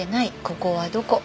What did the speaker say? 「ここはどこ」